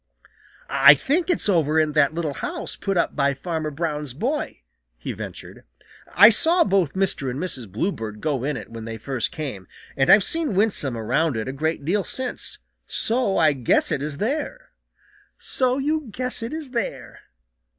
"I think it's over in that little house put up by Farmer Brown's boy," he ventured. "I saw both Mr. and Mrs. Bluebird go in it when they first came, and I've seen Winsome around it a great deal since, so I guess it is there." "So you guess it is there!"